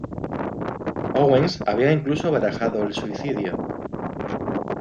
Owens había incluso barajado el suicidio.